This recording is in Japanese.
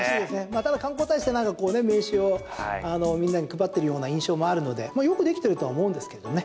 ただ、観光大使って名刺をみんなに配っているような印象もあるのでよくできてるとは思うんですけどね。